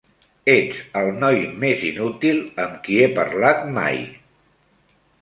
Ets el noi més inútil amb qui he parlat mai.